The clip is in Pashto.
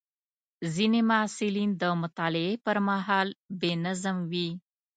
ځینې محصلین د مطالعې پر مهال بې نظم وي.